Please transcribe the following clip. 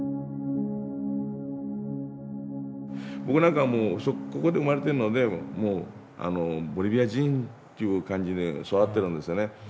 僕なんかはもうここで生まれてるのでボリビア人っていう感じで育ってるんですよね。